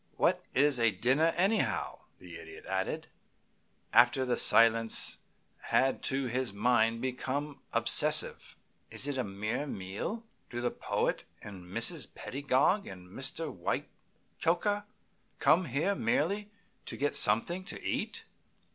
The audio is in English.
"What is a dinner, anyhow?" the Idiot added, after the silence had to his mind become oppressive. "Is it a mere meal? Do the Poet and Mr. and Mrs. Pedagog and Mr. Whitechoker come here merely to get something to eat?